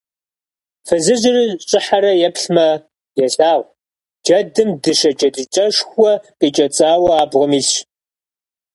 Фызыжьыр щӀыхьэрэ еплъмэ, елъагъу: джэдым дыщэ джэдыкӀэшхуэ къикӀэцӀауэ абгъуэм илъщ.